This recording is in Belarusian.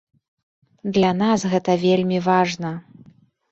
Для нас гэта вельмі важна.